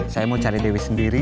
saya mau cari dewi sendiri